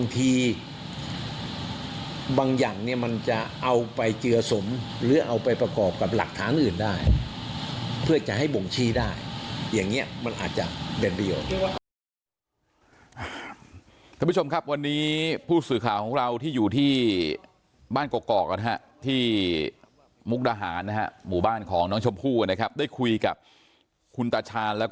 ของหลักฐานอื่นได้เพื่อจะให้บ่งชี้ได้อย่างเงี้ยมันอาจจะเป็นประโยชน์